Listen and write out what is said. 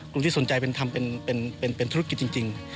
กลุ่มที่สนใจทำเป็นธุรกิจจริง